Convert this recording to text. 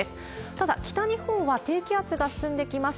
ただ、北日本は低気圧が進んできます。